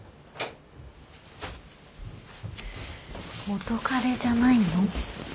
元カレじゃないの？